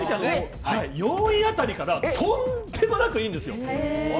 ４位辺りからとんでもなくいいんですよ。